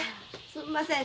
すんません。